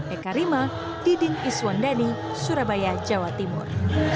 eka rima diding iswandani surabaya jawa timur